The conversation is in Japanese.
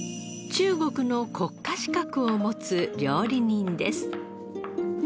中国の国家資格を持つ料理人です。